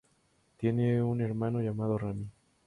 Tiene un hermano llamado Rami.